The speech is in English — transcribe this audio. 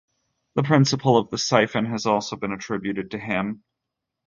The principle of the siphon has also been attributed to him.